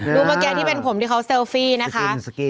เมื่อกี้ที่เป็นผมที่เขาเซลฟี่นะคะ